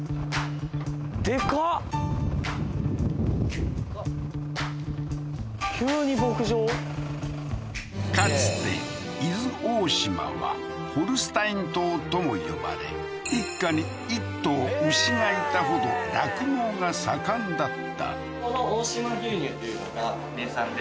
かつて伊豆大島はホルスタイン島とも呼ばれ一家に一頭牛がいたほど酪農が盛んだったへえー